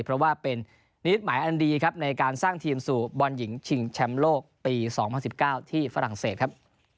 เพราะว่าเป็นนิมิตหมายอันดีครับในการสร้างทีมสู่บอลหญิงชิงแชมป์โลกปี๒๐๑๙ที่ฝรั่งเศสครับ